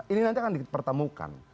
ini nanti akan dipertemukan